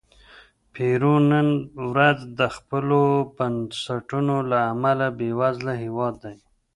پیرو نن ورځ د خپلو بنسټونو له امله بېوزله هېواد دی.